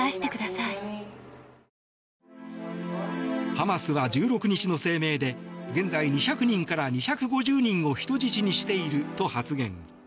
ハマスは１６日の声明で現在２００人から２５０人を人質にしていると発言。